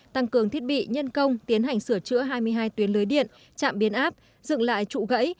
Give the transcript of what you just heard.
tăng cường thiết bị nhân công tiến hành sửa chữa hai mươi hai tuyến lưới điện chạm biến áp dựng lại trụ gãy